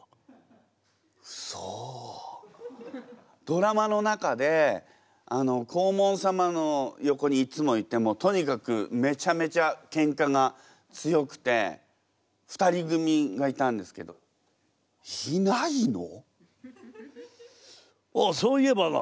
ドラマの中で黄門様の横にいつもいてとにかくめちゃめちゃケンカが強くて２人組がいたんですけどいないの？